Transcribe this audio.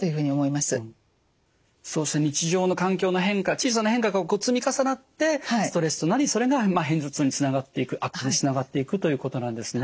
小さな変化が積み重なってストレスとなりそれが片頭痛につながっていく悪化につながっていくということなんですね。